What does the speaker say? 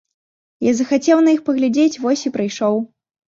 Я захацеў на іх паглядзець, вось і прыйшоў.